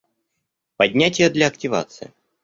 Поднятие для активации